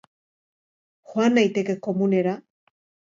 Joan naiteke komunera?